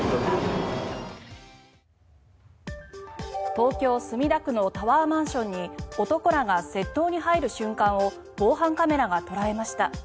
東京・墨田区のタワーマンションに男らが窃盗に入る瞬間を防犯カメラが捉えました。